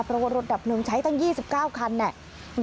เพราะว่ารถดับเพลิงใช้ตั้ง๒๙คัน